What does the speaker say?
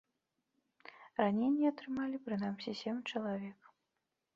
Раненні атрымалі прынамсі сем чалавек.